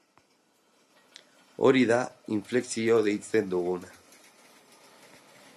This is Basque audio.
Hori da inflexio deitzen duguna.